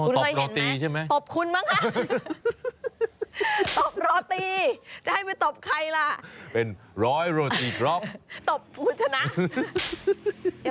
ตบโรตีใช่ไหมตบคุณมั้งค่ะตบโรตีสามารถจะให้ไปตบใครละตบพวกคุณจะนะ